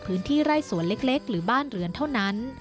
พื้นที่ไร่สวนเล็กหรือบ้านเรือนเท่านั้น